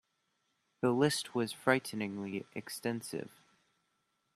The list was frighteningly extensive.